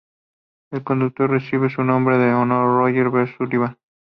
El condado recibe su nombre en honor a Roger B. Sullivan.